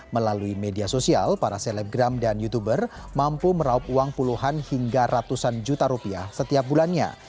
melalui media sosial para selebgram dan youtuber mampu meraup uang puluhan hingga ratusan juta rupiah setiap bulannya